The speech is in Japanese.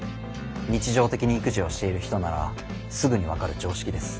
日常的に育児をしている人ならすぐに分かる常識です。